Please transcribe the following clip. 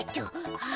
はあ。